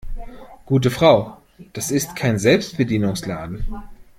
Gute Frau, das ist kein Selbstbedienungsladen.